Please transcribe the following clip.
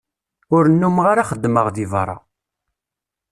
Ur nnumeɣ ara xeddmeɣ deg berra.